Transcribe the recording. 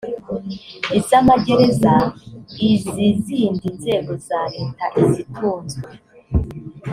iz amagereza iz izindi nzego za leta izitunzwe